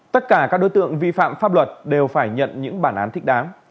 tất cả các đối tượng vi phạm pháp luật đều phải nhận những bản án thích đáng